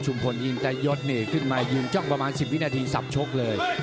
พลยินตายศนี่ขึ้นมายืนจ้องประมาณ๑๐วินาทีสับชกเลย